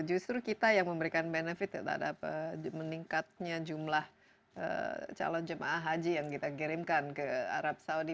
justru kita yang memberikan benefit ya terhadap meningkatnya jumlah calon jemaah haji yang kita kirimkan ke arab saudi